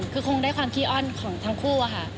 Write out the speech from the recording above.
คือคงได้ความขี้อ้อนของทั้งคู่อะค่ะ